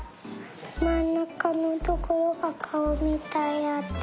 まんなかのところがかおみたいだった。